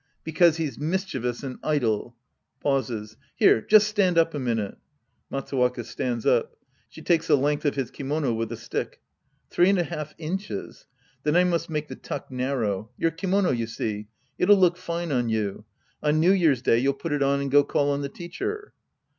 Because he's mischievous and idle. (Pauses.) Here, just stand up a minute. (Matsuvv.uca stands up. She takes the length of his kimo'no with a stick.) Tliree and a half inches. Then I must make the tuck narrow. Your kimono, you see. It'll look fine on you. On New Year's day you'll put it on and go call on the teacher.